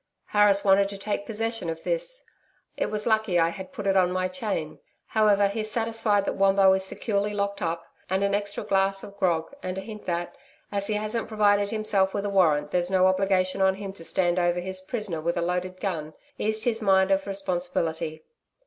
'Harris wanted to take possession of this. It was lucky I had put it on my chain. However, he's satisfied that Wombo is securely locked up and an extra glass of grog and a hint that, as he hasn't provided himself with a warrant there's no obligation on him to stand over his prisoner with a loaded gun, eased his mind of responsibility.